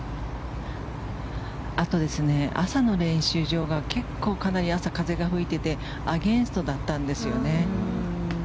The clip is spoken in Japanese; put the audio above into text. あと、朝の練習場が結構風が吹いていてアゲンストだったんですよね。